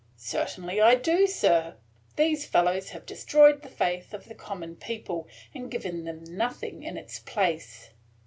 "Certainly I do, sir. These fellows have destroyed the faith of the common people, and given them nothing in its place."